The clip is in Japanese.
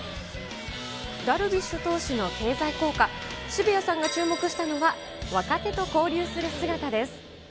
ダルビッシュ投手の経済効果、渋谷さんが注目したのは、若手と交流する姿です。